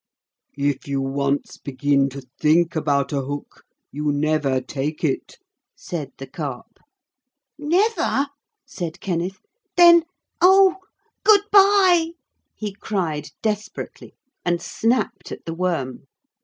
'If you once begin to think about a hook you never take it,' said the Carp. 'Never?' said Kenneth 'Then ... oh! good bye!' he cried desperately, and snapped at the worm.